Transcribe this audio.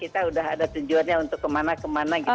kita udah ada tujuannya untuk kemana kemana gitu